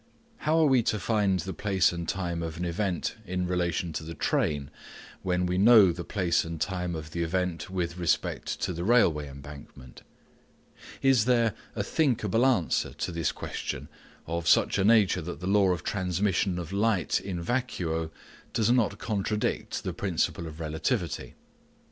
How are we to find the place and time of an event in relation to the train, when we know the place and time of the event with respect to the railway embankment ? Is there a thinkable answer to this question of such a nature that the law of transmission of light in vacuo does not contradict the principle of relativity